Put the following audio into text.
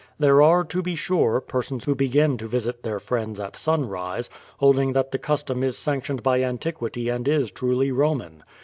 There are, to be sure, persons who begin to visit their friends at sun rise, holding that the custom is sanc tioned by antiquity and is truly Koman.